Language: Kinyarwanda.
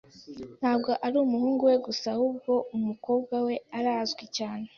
Ntabwo ari umuhungu we gusa, ahubwo umukobwa we arazwi cyane.